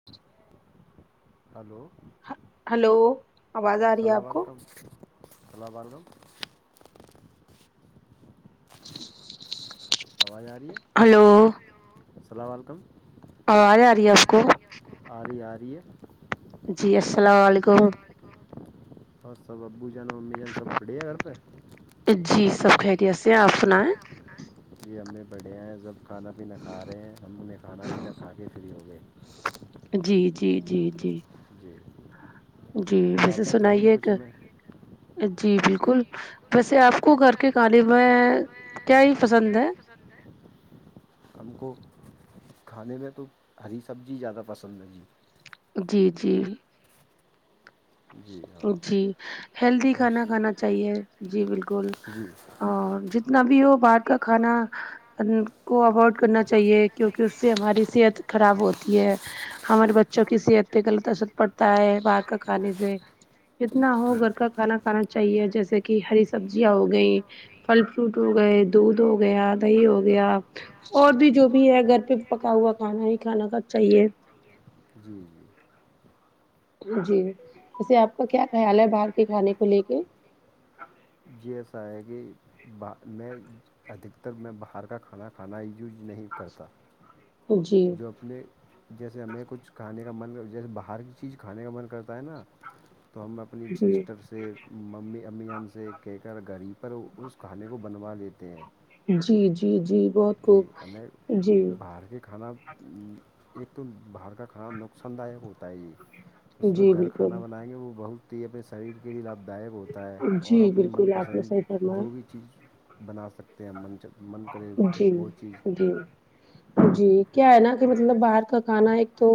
[inaudible] hello سلام علیکم سلاا والیم [inaudible] س یار ہلو السلام علیکم آرے آ رہی ہے اس کو آ رہی ہے آ رہی ہے جی السلام علیکم اور سب ابو جان ممی جان سب بڑے ہے گھر پہ جی سب خیرییا سے ہیں آپ سنائیں ن یہ ہمیں بڑھے آ ہیں جب کھانا پینا کھا رہے ہیں ہم انہیں کھانا بھی نہ کھا کے فری ہو گئے جی جی جی جی جی ویسے سنائیے ایک جی بالکل ویسے آپ کو گھر کے کھانے میں کیا ہی پسند ہے سڈے ہم کو کھانے میں تو ہری سبزی زیادہ پسند ہے جی جی جی جی ہیلدی کھانا کھانا چاہیے جی بالکل اور جتنا بھی ہو باہر کا کھانا ان کو اوائڈ کرنا چاہیے کیونکہ اس سے ہماری صحت خراب ہوتی ہے ہمارے بچوں کی صحت پہ غلط اثر پڑتا ہے باہر کا کانے سے جتنا ہو گھر کا کھانا کھانا چاہیے جیسے کہ ہری سبزیاں ہو گئیں پھل فروٹ ہو گئے دودھ ہو گیا دی ہو گیا اور بھی جو بھی ہے گھر پہ پکا ہوا کھانا ہی کھانا کا چاہیے جی جی جی ویسے آپ کا کیا خیال ہے باہر کے کھانے کو لے کے جی ایسا ہے کہ ب میں ادھتر میں باہر کا کھانا کھانا یوج نہیں کرتا جو اپنے جیسے ہمیں کچھ کھانے کا من جیسے باہر کی چیز کھانے کا من کرتا ہے نا تو ہم اپنی سسٹر سے ممی امیان سے کہہ کر گڑ ہی پر اس کھانے کو بنوا لیتے ہیں جی جی جی بہت خوب جی کھانا ایک تو باہر کا کھانا نقصان داک ہوتا ہے یہ اس میں گھر کھانا بنائیں گے وہ بہت تی پس شریر کے لیے لابھدایک ہوتا ہے اور اپنی من پسند جو بھی چیز بنا سک ت من چ من کرے وہ چیز جی کیا ہے نا کہ مطلب باہر کا کھانا ایک تو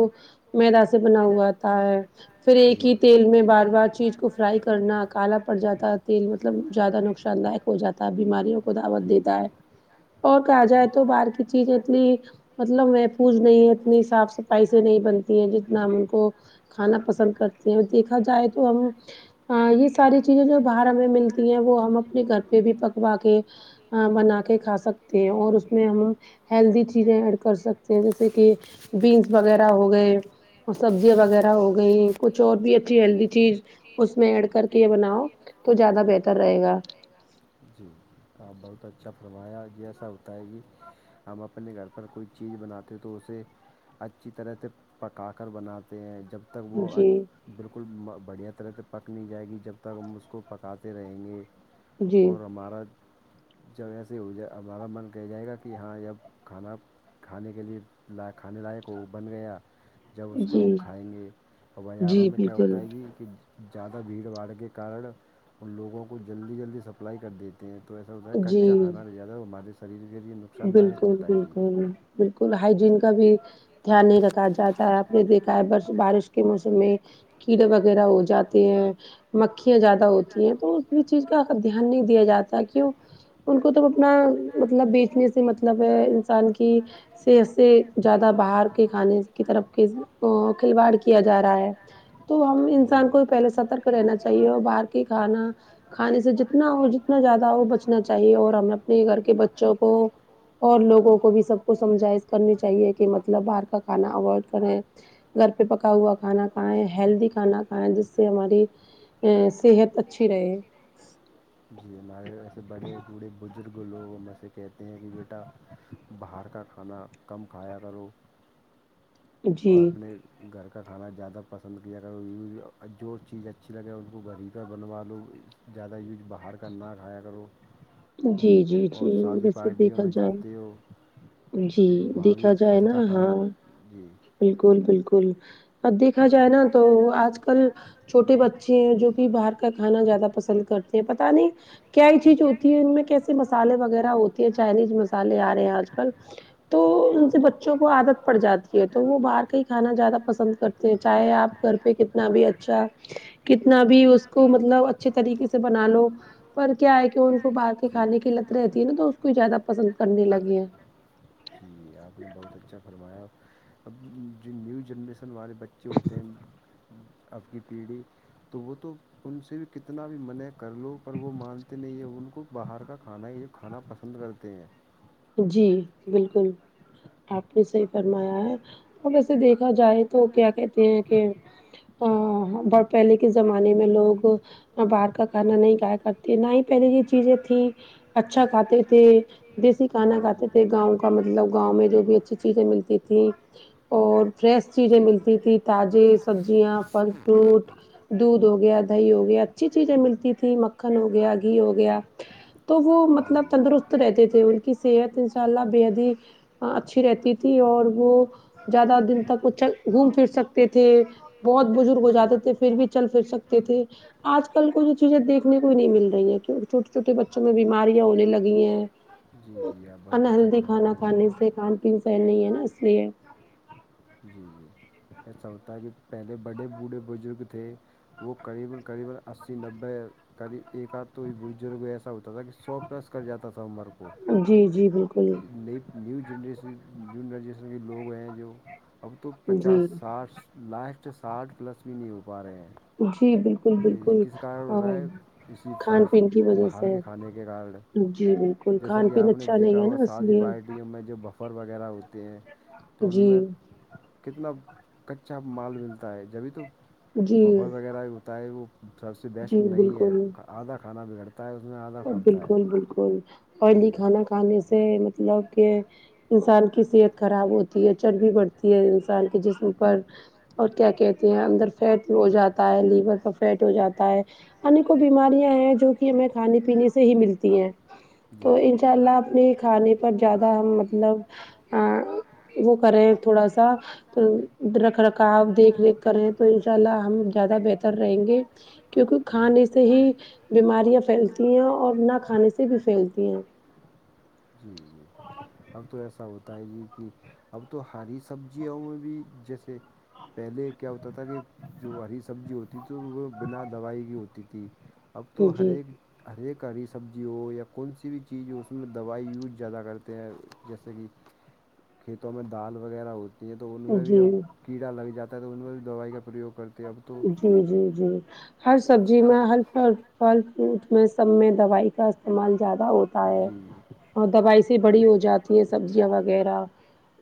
میں دس بنا ہوا آتا ہے پھر ایک ہی تیل میں بار بار چیز کو فرائی کرنا کالا پڑ جاتا تیل مطلب زیادہ نقصان داک ہو جاتا ہے بیماریوں کو دعوت دیتا ہے اور کہا جائے تو باہر کی چیز اتنی مطلب محفوظ نہیں ہے اتنی صاف صفائی سے نہیں بنتی ہیں جتنا ان کو کھانا پسند کرتے ہیں دیکھا جائے تو ہم یہ ساری چیزیں جو باہر ہمیں ملتی ہیں وہ ہم اپنے گھر پہ بھی پکوا کے بنا کے کھا سکتے ہیں اور اس میں ہم ہیلدی چیزیں ایڈ کر سکتے ہیں جیسے کہ بینس وغیرہ ہو گئے اور سبزیاں وغیرہ ہو گئی کچھ اور بھی اچھی ہیلدی چیز اس میں ایڈ کر کے یہ بناؤ تو زیادہ بہتر رہے گا جی ہاں بہت اچھا فرمایا جی ایسا بتائے گی ہم اپنے گھر پر کوئی چیز بناتے تو اسے اچھی طرح سے پکا کر بناتے ہیں جب تک وہ بالکل بڑھیا طرح سے پک نہیں جائے گی جب تک ہم اس کو پکاتے رہیں گے اور ہمارا جب ایسے ہو جائے ہمارا من کہہ جائے گا کہ ہاں جب کھانا کھانے کے لیے لا کھانے لائق وہ بن گیا جب اس کو ہم کھائیں گے تو بازاروں میں کیا ہوتا ہے جی کہ زیادہ بھیڑ باڑ کے کارن ان لوگوں کو جلدی جلدی سپلائی کر دیتے ہیں تو ایسا ہوتا ہے کچا کھانا لے جیاا ہمارے شریر کے لیے نقصان داک ہوتتا ہے جی بالکل ہائجین کا بھی دھیان نہیں رکھا جاتا ہے نے دیکھا ہے بارش کے موسم میں کیڑے وغیرہ ہو جاتے ہیں مکھیاں زیادہ ہوتی ہیں تو اس بھی چیز کا ا دھیان نہیں دیا جاتا ہے کہ وہ ان کو توم اپنا مطلب بیچنے سے مطلب ہے انسان کی صحت سے زیادہ باہر کے کھانے کی طرف کھلواڑ کیا جا رہا ہے تو ہم انسان کو پہلے سترک رہنا چاہیے اور باہر کے کھانا کھانے سے جتنا ہو جتنا زیادہ ہو بچنا چاہیے اور ہمیں اپنے گھر کے کو اور لوگوں کو بھی سب کو سمجھ کرنی چاہیے کہ مطلب باہر کا کھانا اوائڈ کریں گھر پہ پکا ہوا کھانا کھائیں ہیلدی کھانا کھائیں جس سے ہماری صحت اچھی رہے جی ہمارے ایسے بڑے بوڑھے بزرگ لوگ ہم میں سے کہتے ہیں کہ بیٹا باہر کا کھانا کم کھایا کرو اور اپنے گھر کا کھانا زیادہ پسند کیا اگر ی جو چیز اچھی لگے ان کو گھر ہی بنوا لو زیادہ یوج باہر کا نہ کھایا کرو اور شادی پارٹیوں میں جاتے ہو تو بہاوی ہسکا کھانا جی بالکل بالکل ا دیکھا جائے نا تو آج کل چھوٹے بچے ہیں جو باہر کا کانا زیادہ پسند کرتے ہیں پتا نہیں کیا یہ چیز ہوتی کیسے مسالے وغیرہ ہوتی ہیں چائنیز مسالے آ رہے ہیں آج کل تو ان سے کو آدت پڑ جاتی ہے تو وہ باہر کا ہی کھانا زیادہ پسند کرتے ہیں چاہے آپ گھر پہ کتنا بھی اچھا کتنا بھی اس کو مطلب اچھے طریقے سے بنا لو پر کیا ہے کہ ان کو باہر کے کھانے کی لت رہتی ہے نا تو اس کو زیادہ پسند کرنے لگے ہیں آپ نے بہت اچھا فرمایا اب جو نیو جنریشن والے بچے ہوتے ہیں اب کی پیڑھی تو وہ تو ان سے بھی کتنا بھی منع کر لو پر وہ مانتے نہیں یہ ان کو باہر کا کھانا ہے یہ کھانا پسند کرتے ہیں جی بالکل آپ نے صحی فرمایا ہے ا ویسے دیکھا جائے تو کیا کہتے ہیں کہ پہلے کے زمانے میں لوگ نہ باہر کا کھانا نہیں کایا کرتی نہ ہی پہلے یہ چیزیں تھھی اچھا کھاتا تھے دیسی کھانا کاتے تھے گاؤں کا مطلب گاؤں میں جو بھی اچھی چیزیں ملتی تھیں اور فریش چیزیں ملتی تھی تازے سبزیاں پھل فروٹ دودھ ہو گیا دہی ہو گیا اچھی چیزیں ملتی تھی مکھن ہو گیا ہو گیا تو وہ مطلب تندرست رہتے تھے ان کی صحت ان شاء اللہ بے حد ہی اچھی رہتی تھی اور وہ زیادہ دن تک وہ گھوم پھر سکتے تھے بہت بزرگ ہو جاتے تھے پھر بھی چل پھر سکتے تھے آج کل کو یہ چیزیں دیکھنے کو ہی نہیں مل رہی ہیں کی چوٹٹی چھوٹے بچوں میں بیماریاں ہونے لگی ہیں جی جی رب انہلدی کھانا کھانے سے کھان پین سح نہیں ہے نا اس لیے جی جی میں سمتا کہ پہلے بڑے بوڑھے بزرگ تھے وہ قریبا قریبای نبے قریب ایک آدھ تو بزرگ میں ایسا ہوتا تھا کہ سو پلس کر جاتا تھا عمر کو نہیں نیو جنریشن نیو جنریشن کے لوگ ہیں جو اب تو پچاس ساٹھ لاسٹ ساٹ پلس بھی نہیں ہو پا رہے ہیں جی بالل یہ کس کارن رہا ہے اسی فاسٹ باہر کے کھانے کے کارن جیسا کہ آپ نے دیکا سادی پارٹیوں میں جو بہت سفر وغیرہ ہوتے ہیں تو ان میں کتنا کچا مال ملتا ہے جبھی تو بفر وغیرہ بھی ہوتا ہے وہ سب سے بیسٹ نہیں ہے آدھا کھانا بگڑتا ہے اس میں آدھ بالکل بالکل آئلی کھانا ک کھانے سے مطلب کہ انسان کی صحت خراب ہوتی چربی بڑھتی ہے انسان کے جسم پر اور کیا کہتے اندر فیٹ بھی ہو جاتا ہے لیور کا پیٹ ہو جاتا ہے ان کو وہ بیماریاں ہیں جو کہ ہمیں کھانے پینے سے ہی ملتی ہیں تو انشاء اللہ اپنے کھانے پر زیادہ ہم مطلب وہ کریں تھوڑا سا رکھ رکھا دیکھ ریکھ کریں تو انشاء اللہ ہم زیادہ بہتر رہیں گے کیونکہ کھانے سے ہی بیماریاں پھیلتی ہیں اور نہ کھانے سے بھی پھیلتی ہیں جی جی اب تو ایسا ہوتا ہے جی کہ اب تو ہری سبزیوں میں بھی جیسے پہلے کیا ہوتا تھا کہ جو ہری سبزی ہوتی تو وہ بنا دوائی کی ہوتی تھی اب تو ہر ایک ہر ایک ہری سبزی ہو یا کون سی بھی چیز ہو اس میں دوائی یوج زیادہ کرتے ہیں جیسے کہ کھیتوں میں دال وغیرہ ہو تو ان میں بھی اب کیڑا لگ جات ہے تو ان میں بھی دوائی کا پریوگ کر جی جی جی ہر سبزی میں ہر اور پھل فروٹ میں سب میں دوائی کا استعمال زیادہ ہوتا ہے اور دوائی سے بڑی ہو جاتی ہے سبزیاں وغیرہ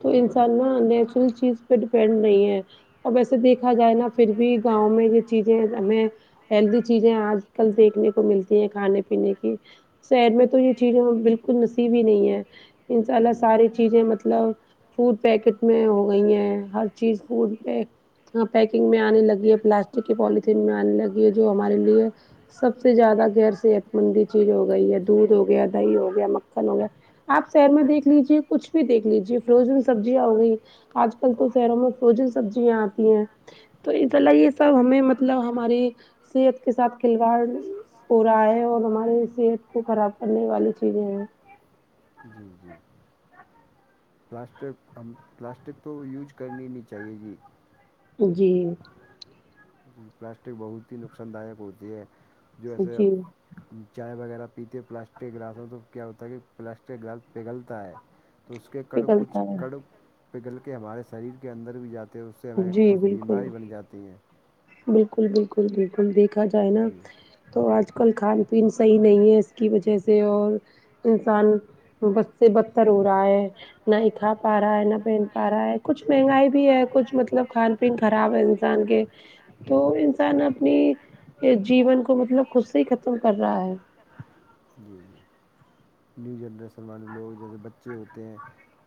تو انسان نہ نیچرل چیز پہ ڈیپینڈ نہیں ہے اب ایسے دیکھا جائے نا پھر بھی ہم میں یہ چیزیں ہمیں ہیلدی چیزیں آج کل دیکھنے کو ملتی ہیں کھانے پینے کی شہر میں تو یہ چیزیں بالکل نصیب ہی نہیں ہے ان شاء اللہ ساری چیزیں مطلب فوڈ پیکٹ میں ہو گئی ہیں ہر چیز فوڈ پیکنگ میں آنے لگی ہے پلاسٹک کی پوالتھین میں آنے لگی ہے جو ہمارے لیے سب سے زیادہ غیرصحت مندی چیز ہو گئی ہے دودھ ہو گیا دہی ہو گیا مکھن ہو گیا آپ سیر میں دیکھ لیجے کچھ بھی دیکھ لیجیے فروزن سبزیاں ہو گئی آج کل تو شہروں میں فروجن سبزیاں آتی ہیں تو اس طح یہ سب ہمیں مطلب ہماراری صحت کے ساتھ کھلواڑ ہو رہا ہے اور ہماریے صحت کو خراب کرنے والی چیزیں ہیں جی جی پلاسٹک ہم پلاسٹک تو یوج کرنی نہیں چاہیے جی جی پلاسٹک بہت ہی نقصان داک ہوتی ہے جو ایسے چائے وغیرہ پیتے پلاسٹک گراسوں تو کیا ہوتا ہے کہ پلاسٹک گراس پگھلتا ہے تو اس کے کڑ کچھ کڑ پگل کے ہمارے شریر کے اندر بھی جاتے تو اس سے ہمیں کچھ بیماری بن جاتی ہیں بالکل بالکل بالکل دیکھا جائے نا تو آج کل کھان پین صحیح نہیں ہے کی وجہ سے اور انسان بد سے بدتر ہو رہا ہے نہ ہیکھا پا رہا ہے نہ پہن پا رہا ہے کچھ مہنگائی بھی ہے کچھ مطلب کھان خراب ہے انسان کے تو انسان اپنی جیون کو مطلب خود سے ہی ختم کر رہا ہے جی جی نیو جنریسن والے لوگ جیسے بچے ہوتے ہیں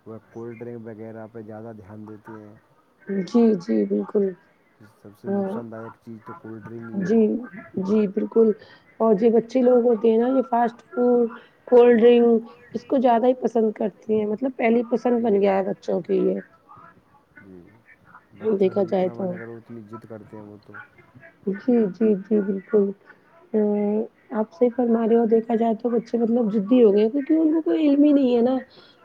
وہ کولڈ ڈرنک وغیرہ پہ زیادہ دھیان دیتے ہیں جی جی بالکل سب سے نقصان داک چیز تو کولڈ ڈرنک ہی ہے جی بالکل اور ج بچے لوگ ہوتے ہیں نا یہ فاسٹ فوڈ کولڈ ڈرنک اس کو زیادہ ہی پسند کرتی ہیں مطلب پہلی پسند بن گیا ہے بچوں کی یہ جی بچوں سے جتنا منع کرو اتنی ضد کرتے ہیں وہ تو جی جی جی بالکل ا آپ سے فمارے ہو دیکھا جائے تو بچے مطلب جدی ہو گئے ہیں کیونکہ ان کو کوئی علم ہی نہیں ہے نا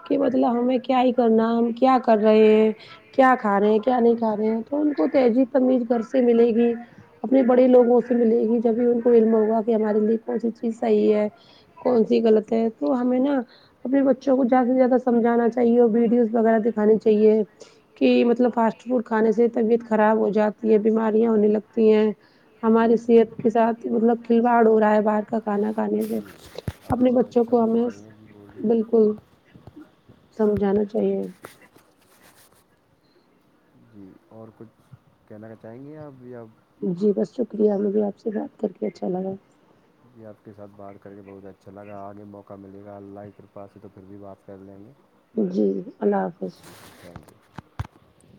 کہ مطلب ہمیں کیا ہی کرنا ہم کیا کر رہے ہیں کیا کھا رہے ہیں کیا نہیں کا رہے ہیں تو ان کو تہذیب تمیز گھر سے ملے گی اپنے بڑے لوگوں سے ملے گی جب بھی ان کو علم ہوگا کہ ہمارے لیے کون سی چیز صحیح ہے کون سی غلط ہے تو ہمیں نا اپنے بچوں کو زیادہ سے زیادہ سمجھا چاہیے اور ویڈیوز وغیرہ دکھانی چاہیے کہ مطلب فاسٹ فوڈ کھانے سے طبیعت خراب ہو جاتی ہے بیماریاں ہونے لگتی ہیں ہماری صحت کے ساتھ مطلب کھلواڑ ہو رہا ہے باہر کا کھانا کھانے سے اپنے بچوں کو ہمیں بالکل سمجھانا چاہیے اور کچھ کہنا کا چاہیں گے آب ب جی بس شکریہ مجھے آپ سے بات کر کے اچھا لگا یہ آپ کے ساتھ بات کر کے بہت اچھا لگا آگے موقع ملے گا اللہ کی کرپا سے تو پھر بھی بات کر لیں گے جی اللہ حافظ